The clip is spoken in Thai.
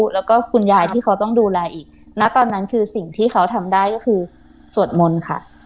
แล้วก็คุณยายที่เขาต้องดูแลอีกณตอนนั้นคือสิ่งที่เขาทำได้ก็คือสวดมนต์ค่ะ